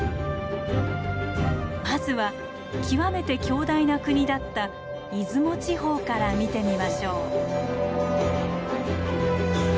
まずは極めて強大な国だった出雲地方から見てみましょう。